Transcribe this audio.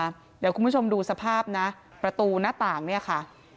เดี๋ยวคุณผู้ชมดูสภาพนะประตูหน้าต่างเนี่ยค่ะ